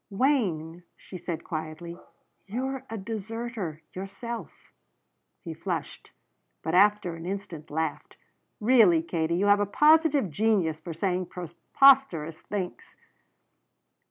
"Wayne," she said quietly, "you're a deserter, yourself." He flushed, but after an instant laughed. "Really, Katie, you have a positive genius for saying preposterous things."